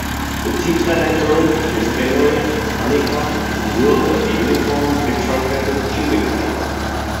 The tetrahedral disphenoid honeycomb is the dual of the uniform bitruncated cubic honeycomb.